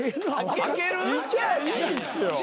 行きゃいいんすよ。